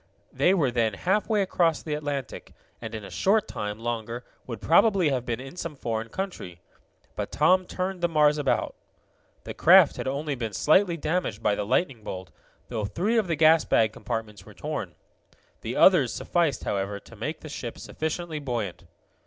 They were then halfway across the Atlantic, and in a short time longer would probably have been in some foreign country. But Tom turned the Mars about. The craft had only been slightly damaged by the lightning bolt, though three of the gas bag compartments were torn, The others sufficed, however, to make the ship sufficiently buoyant.